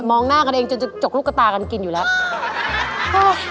หน้ากันเองจนจะจกลูกกระตากันกินอยู่แล้ว